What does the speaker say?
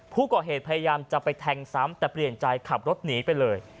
ผู้ก่อเหตุพรยามจะไปแทงซ้ำแต่เปลี่ยนใจขับรถหนีไปเลย